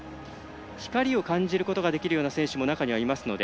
光を感じることができるような選手も、中にはいますので